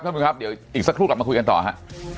ผู้ครับเดี๋ยวอีกสักครู่กลับมาคุยกันต่อฮะ